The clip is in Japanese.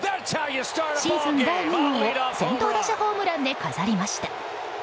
シーズン第２号を先頭打者ホームランで飾りました。